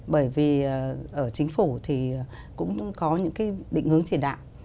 bởi vì ở chính phủ thì cũng có những cái định hướng chỉ đạo